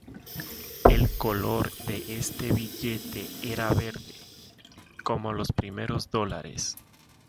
El color de este billete era verde, como los primeros dólares.